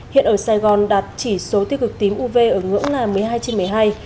hiện ở sài gòn đạt chỉ số tiêu cực tím uv ở ngưỡng là một mươi hai trên một mươi hai